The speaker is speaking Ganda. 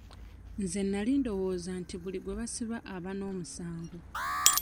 Nze nali ndowooza nti buli gwe basiba aba n'omusango.